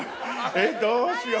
え、どうしよう。